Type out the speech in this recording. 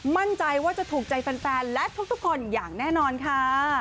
มั่นใจว่าจะถูกใจแฟนและทุกคนอย่างแน่นอนค่ะ